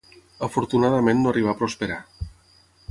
Afortunadament no arribà a prosperar.